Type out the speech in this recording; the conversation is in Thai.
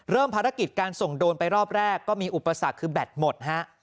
ภารกิจการส่งโดรนไปรอบแรกก็มีอุปสรรคคือแบตหมดฮะ